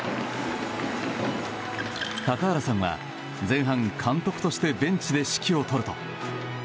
高原さんは前半、監督としてベンチで指揮を執ると。